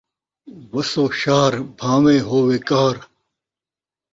وسو شہر بھان٘ویں ہووے قہر